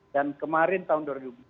dan kemarin tahun